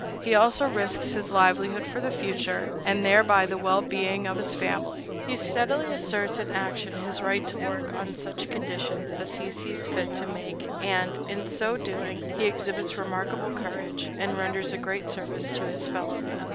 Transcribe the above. He also risks his livelihood for the future, and thereby the well being of his family. He steadily asserts in action his right to work on such conditions as he sees fit to make, and, in so doing, he exhibits remarkable courage, and renders a great service to his fellow men.